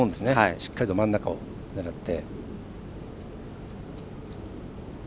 しっかりと真ん中を狙って。